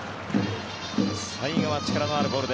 最後は力のあるボール